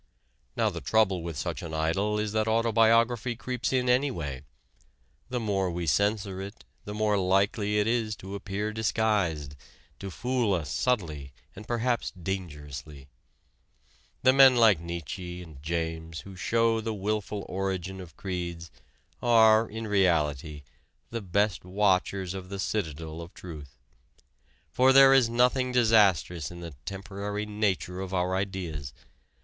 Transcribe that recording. Now the trouble with such an idol is that autobiography creeps in anyway. The more we censor it, the more likely it is to appear disguised, to fool us subtly and perhaps dangerously. The men like Nietzsche and James who show the wilful origin of creeds are in reality the best watchers of the citadel of truth. For there is nothing disastrous in the temporary nature of our ideas.